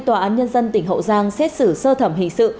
tòa án nhân dân tỉnh hậu giang xét xử sơ thẩm hình sự